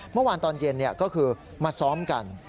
เมื่อวานตอนเย็นก็คือมาซ้อมกัน